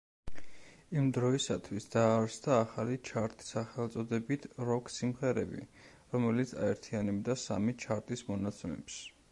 იმ დროისათვის დაარსდა ახალი ჩარტი სახელწოდებით „როკ-სიმღერები“, რომელიც აერთიანებდა სამი ჩარტის მონაცემებს.